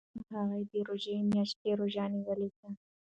هغه د روژې میاشت کې روژه نیولې ده.